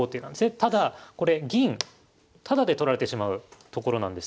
ただこれ銀タダで取られてしまうところなんです。